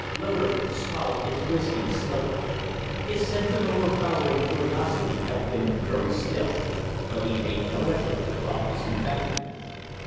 Loder swallowed his whiskey slowly. His sense of overpowering curiosity held him very still; but he made no effort to prompt his companion.